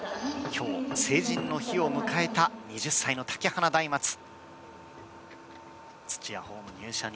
今日、成人の日を迎えた２０歳の竹花大松。